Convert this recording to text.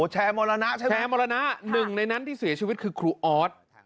แชร์มรญาแชร์มรญา๑ในนั้นที่แชร์ชีวิตคือครูออธ